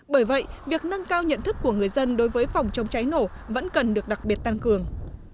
bởi vậy việc nâng cao nhận thức của người dân đối với phòng chống cháy nổ vẫn cần được đặc biệt tăng cường